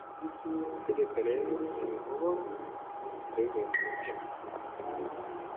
Gutegeka rero ntibihobora kunezeza bivuye ku mutima